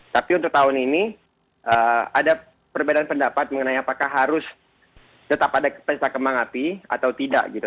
tapi untuk tahun ini ada perbedaan pendapat mengenai apakah harus tetap ada pesta kembang api atau tidak gitu